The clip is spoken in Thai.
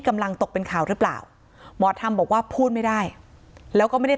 กำลังตกเป็นข่าวหรือเปล่าหมอธรรมบอกว่าพูดไม่ได้